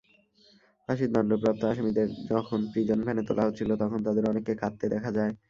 ফাঁসির দণ্ডপ্রাপ্ত আসামিদের যখন প্রিজনভ্যানে তোলা হচ্ছিল, তখন তাঁদের অনেককে কাঁদতে দেখা যায়।